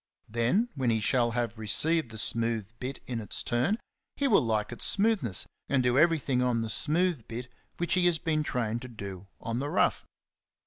Then, when he shall have received the smooth bit in its turn, he will like its smoothness and do everything on the smooth bit which he has been trained to do on the rough.